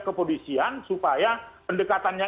kepolisian supaya pendekatannya